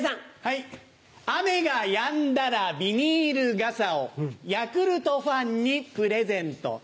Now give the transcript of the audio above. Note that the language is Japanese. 雨がやんだらビニール傘をヤクルトファンにプレゼント。